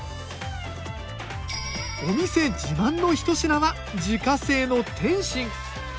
お店自慢の一品は自家製の点心。